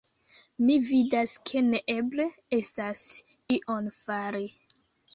Mi vidas, ke neeble estas ion fari!